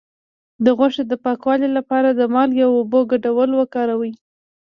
د غوښې د پاکوالي لپاره د مالګې او اوبو ګډول وکاروئ